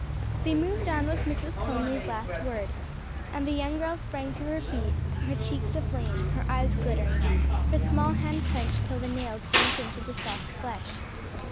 They moved on with Mrs. Conly's last word, and the young girl sprang to her feet, her cheeks aflame, her eyes glittering, her small hand clenched till the nails sank into the soft flesh.